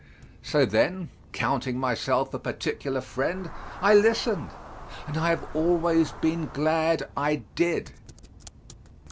So then, counting myself a particular friend, I listened, and I have always been glad I did.